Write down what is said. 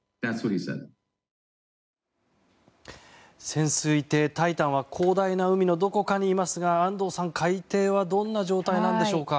潜水艇「タイタン」は広大な海のどこかにいますが安藤さん、海底はどんな状態なんでしょうか？